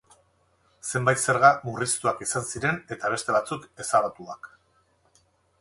Zenbait zerga murriztuak izan ziren eta beste batzuk ezabatuak.